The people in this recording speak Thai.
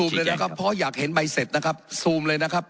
เพราะอยากเห็นใบเสร็จนะครับซูมเลยนะครับ